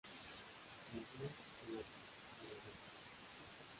Nació en Hoboken, Nueva Jersey.